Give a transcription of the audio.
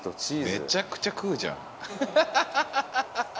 めちゃくちゃ食うじゃんハハハハ！